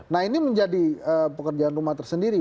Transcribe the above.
nah ini menjadi pekerjaan rumah tersendiri